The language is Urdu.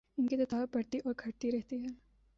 ان کی تعداد بڑھتی اور گھٹتی رہتی ہے